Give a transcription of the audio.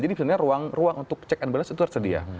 jadi sebenarnya ruang untuk cek and balance itu tersedia